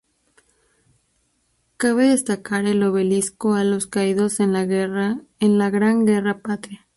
Cabe destacar el obelisco a los caídos en la Gran Guerra Patria.